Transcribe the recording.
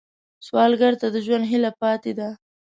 سوالګر ته د ژوند هیله پاتې ده